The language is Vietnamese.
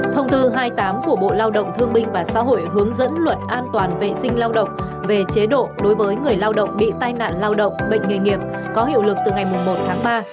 thông tư hai mươi tám của bộ lao động thương binh và xã hội hướng dẫn luật an toàn vệ sinh lao động về chế độ đối với người lao động bị tai nạn lao động bệnh nghề nghiệp có hiệu lực từ ngày một tháng ba